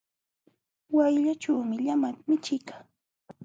Wayllaćhuumi llamata michiykaa.